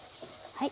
はい。